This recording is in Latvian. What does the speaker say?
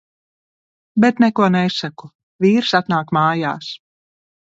Bet neko nesaku. Vīrs atnāk mājās.